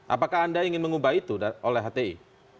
apakah anda ingin mengubah itu oleh hti